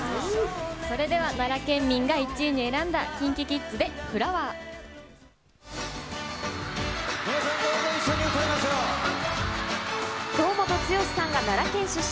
それでは奈良県民が１位に選んだＫｉｎＫｉＫｉｄｓでフラ皆さん、どうぞ一緒に歌いま堂本剛さんが奈良県出身。